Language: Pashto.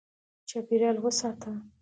چاپېریال وساته.